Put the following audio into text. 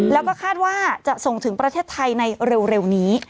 แล้วก็คาดว่าจะส่งถึงประเทศไทยในเร็วนี้